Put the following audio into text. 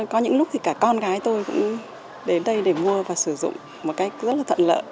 có những lúc thì cả con gái tôi cũng đến đây để mua và sử dụng một cách rất là thuận lợi